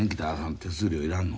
手数料いらんの？